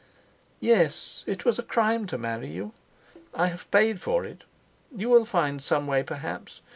"Yes; it was a crime to marry you. I have paid for it. You will find some way perhaps.